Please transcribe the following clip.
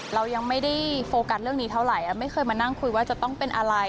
เรายังไม่ได้โฟกัสเรื่องนี้เท่าไหร่ไม่เคยมานั่งคุยว่าจะต้องเป็นอะไร